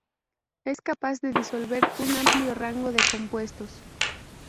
Es capaz de disolver un amplio rango de compuestos.